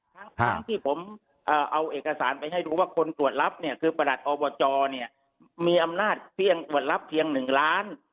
ทั้งที่ผมเอาเอกสารไปให้ดูว่าคนตรวจรับเนี่ยคือประหลัดอบจเนี่ยมีอำนาจเพียงตรวจรับเพียง๑ล้าน